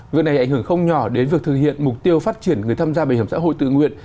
việc này ảnh hưởng không nhỏ đến việc thực hiện mục tiêu phát triển người tham gia bảo hiểm xã hội tự nguyện